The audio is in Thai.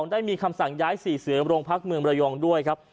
ได้มีคำสั่งย้าย๔เสือโรงพักเมืองระยองด้วยครับ